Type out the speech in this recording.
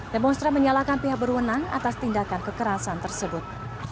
demonstran menyalahkan pihak berwenang atas tindakan kekerasan tersebut